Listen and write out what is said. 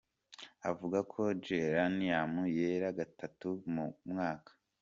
Avuga ko Geranium yera gatatu mu mwaka.